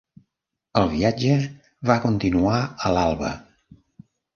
El viatge va continuar a l'alba.